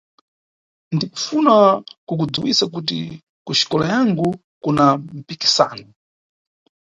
Ndikufuna kukudziwisa kuti kuxikola yangu kuna mpikisano.